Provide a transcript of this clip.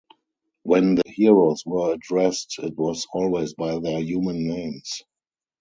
When the heroes were addressed it was always by their human names.